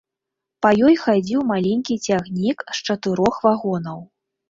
Па ёй хадзіў маленькі цягнік з чатырох вагонаў.